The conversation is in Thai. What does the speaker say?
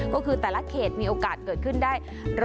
ก็คือแต่ละเขตมีโอกาสเกิดขึ้นได้